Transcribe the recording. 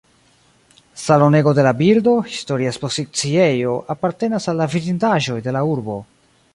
Salonego de la birdo, historia ekspoziciejo, apartenas al la vidindaĵoj de la urbo.